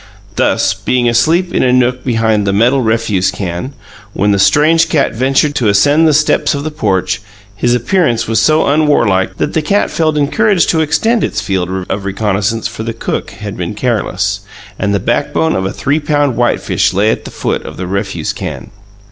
Thus, being asleep in a nook behind the metal refuse can, when the strange cat ventured to ascend the steps of the porch, his appearance was so unwarlike that the cat felt encouraged to extend its field of reconnaissance for the cook had been careless, and the backbone of a three pound whitefish lay at the foot of the refuse can.